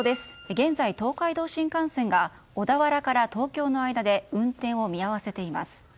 現在、東海道新幹線が小田原から東京の間で運転を見合わせています。